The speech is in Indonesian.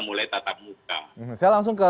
mulai tatap muka saya langsung ke